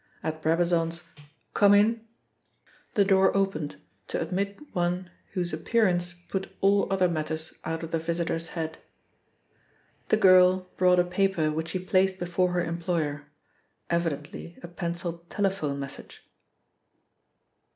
At Brabazon's "Come in," the door opened to admit one whose appearance put all other matters out of the visitor's head. The girl brought a paper which she placed before her employer evidently a pencilled telephone message.